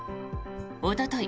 おととい